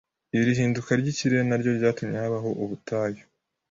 iri hinduka ry’ikirere naryo ryatumye habaho ubutayu